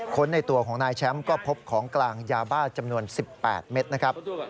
ในตัวของนายแชมป์ก็พบของกลางยาบ้าจำนวน๑๘เม็ดนะครับ